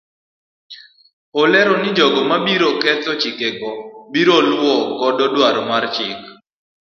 Olero ni jogo mabiro ketho chikego ibiro luu godo dwaro mar chik.